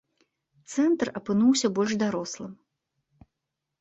Цэнтр апынуўся больш дарослым.